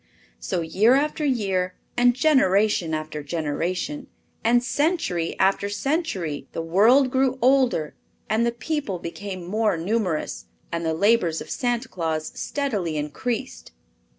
So year after year, and generation after generation, and century after century, the world grew older and the people became more numerous and the labors of Santa Claus steadily increased.